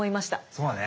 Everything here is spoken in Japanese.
そうだね。